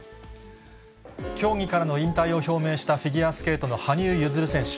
競技からの引退を表明したフィギュアスケートの羽生結弦選手。